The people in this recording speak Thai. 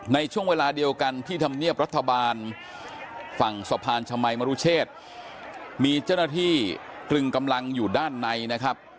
ในช่วงเวลาเดียวกันที่ธรรมเนียบรัฐบาลฝั่งสะพานชมัยมรุเชษมีเจ้าหน้าที่ตรึงกำลังอยู่ด้านในนะครับ